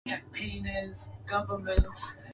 ervative na kupinga sera iliyotangazwa na waziri mkuu wa